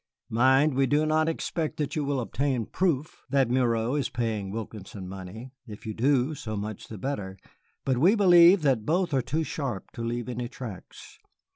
Mind, we do not expect that you will obtain proof that Miro is paying Wilkinson money. If you do, so much the better; but we believe that both are too sharp to leave any tracks.